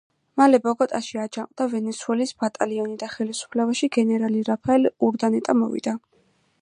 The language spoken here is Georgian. მალე ბოგოტაში აჯანყდა ვენესუელის ბატალიონი და ხელისუფლებაში გენერალი რაფაელ ურდანეტა მოვიდა.